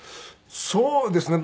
そうですね。